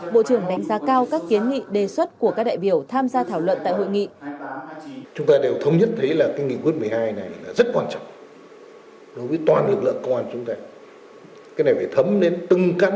bộ trưởng đánh giá cao các kiến nghị đề xuất của các đại biểu tham gia thảo luận tại hội nghị